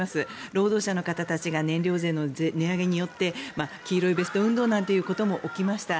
労働者の方たちが燃料税の値上げによって黄色いベスト運動なんてことも起きました。